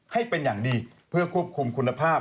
ให้เป็นอย่างดีเพื่อควบคุมคุณภาพ